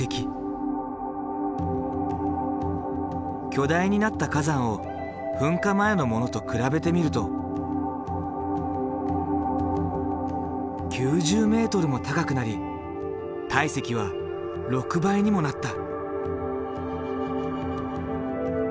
巨大になった火山を噴火前のものと比べてみると９０ｍも高くなり体積は６倍にもなった。